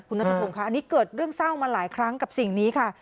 นัทธพงศ์ค่ะอันนี้เกิดเรื่องเศร้ามาหลายครั้งกับสิ่งนี้ค่ะ